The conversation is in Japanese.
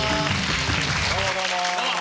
どうもどうも。